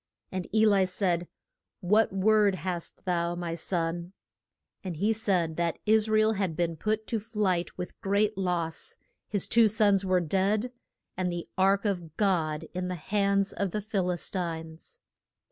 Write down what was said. And E li said, What word hast thou, my son? [Illustration: THE RE TURN OF THE ARK.] And he said that Is ra el had been put to flight with great loss, his two sons were dead, and the ark of God in the hands of the Phil is tines.